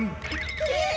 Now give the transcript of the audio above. えっ！